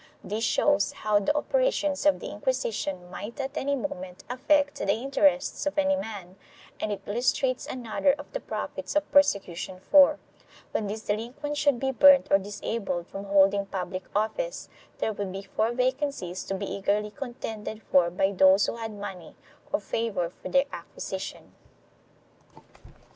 This shows how the operations of the Inquisition might at any moment affect the interests of any man and it illustrates another of the profits of persecution for, when these delinquents should be burnt or disabled from holding public office, there would be four vacancies to be eagerly contended for by those who had money or favor for their acquisition.